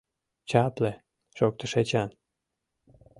— Чапле! — шоктыш Эчан.